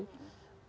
baik bagi masyarakat